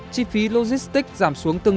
chi phí logistics giảm xuống